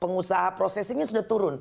pengusaha processing nya sudah turun